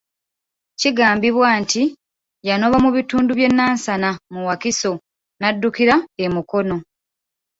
Kigambibwa nti yanoba mu bitundu by'e Nansana mu Wakiso n'addukira e Mukono.